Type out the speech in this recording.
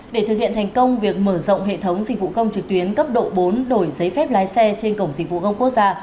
để thực hiện thành công việc mở rộng hệ thống dịch vụ công trực tuyến cấp độ bốn đổi giấy phép lái xe trên cổng dịch vụ công quốc gia